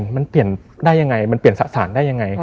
มันเปลี่ยนได้ยังไงมันเปลี่ยนสะสารได้ยังไง